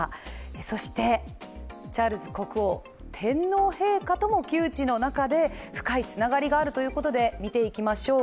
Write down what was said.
そしてチャールズ国王、天皇陛下とも旧知の仲で深いつながりがあるということで見ていきましょう。